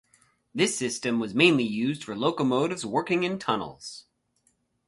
This system was mainly used for locomotives working in tunnels.